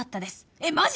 えっマジ！？